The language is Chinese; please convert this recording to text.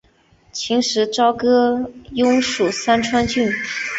秦时朝歌邑属三川郡。